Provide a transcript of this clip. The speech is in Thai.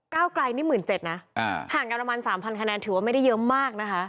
ก้าวกลายนี่หมื่นเจ็ดน่ะอ่าห่างการรามันสามพันคะแนนถือว่าไม่ได้เยอะมากนะคะ